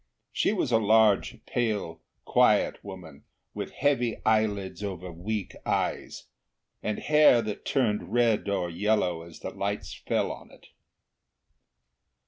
She was a large, pale, quiet woman, with heavy eyelids over weak eyes, and hair that turned red or yellow as the lights fell on it.